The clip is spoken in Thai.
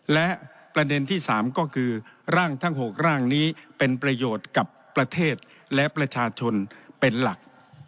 และประเด็นที่๓ก็คือร่างทั้ง๖ร่างนี้เป็นประโยชน์กับประเทศและประชาชนเป็นหลัก